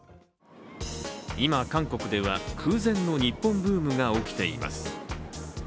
今、韓国では空前の日本ブームが起きています。